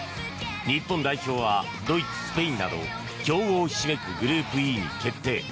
日本代表はドイツ、スペインなど強豪ひしめくグループＥに決定。